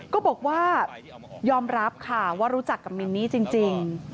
ก็บอกว่ายอมรับค่ะว่ารู้จักกับมินนี่จริง